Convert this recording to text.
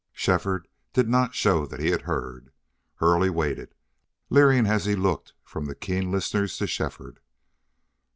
Shefford did not show that he had heard. Hurley waited, leering as looked from the keen listeners to Shefford.